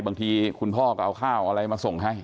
บางทีคุณพ่อก็เอาข้าวอะไรมาส่งให้